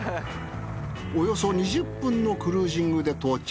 およそ２０分のクルージングで到着。